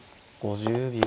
５０秒。